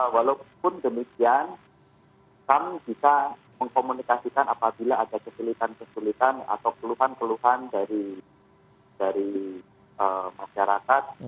walaupun demikian kami bisa mengkomunikasikan apabila ada kesulitan kesulitan atau keluhan keluhan dari masyarakat